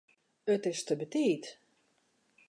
It is te betiid.